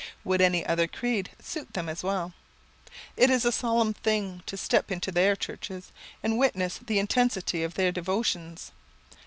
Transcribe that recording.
Would any other creed suit them as well? It is a solemn thing to step into their churches, and witness the intensity of their devotions.